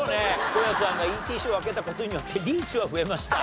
大家ちゃんがＥＴＣを開けた事によってリーチは増えました。